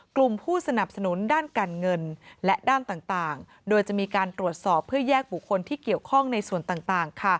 กลุ่มผู้สนับสนุนด้านการเงินและด้านต่างโดยจะมีการตรวจสอบเพื่อแยกบุคคลที่เกี่ยวข้องในส่วนต่าง